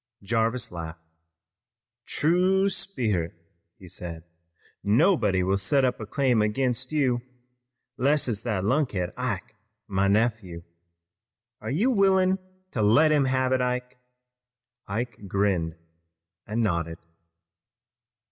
Jarvis laughed. "True sperrit," he said. "Nobody will set up a claim ag'inst you, less it's that lunkhead, Ike, my nephew. Are you willin' to let him have it, Ike?" Ike grinned and nodded.